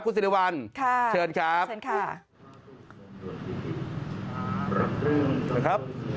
กูซิริยวัลเชิญครับ